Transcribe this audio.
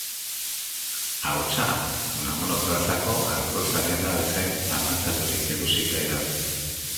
Ahotsa Unamuno plazako alkohol-zaleena bezain marrantaturik heldu zitzaidan.